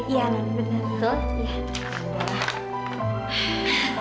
iya non benar